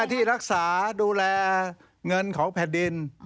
ที่รักษาดูแลเงินของแผ่นดิน